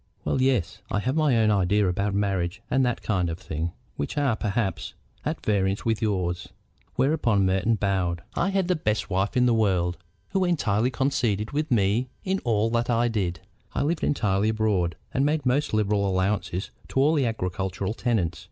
"Well, yes. I have my own ideas about marriage and that kind of thing, which are, perhaps, at variance with yours." Whereupon Merton bowed. "I had the best wife in the world, who entirely coincided with me in all that I did. I lived entirely abroad, and made most liberal allowances to all the agricultural tenants.